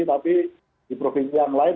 tapi di provinsi yang lain